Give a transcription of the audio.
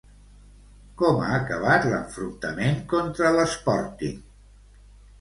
Com ha acabat l'enfrontament contra l'Sporting?